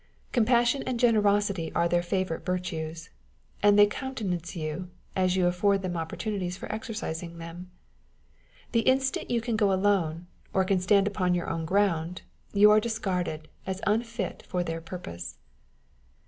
Compassion and generosity are their favourite virtues ; and they countenance you, as you afford them opportunities for exercising them. The instant you can go alone, or can stand upon your own ground, you are discarded as unfit for their purpose.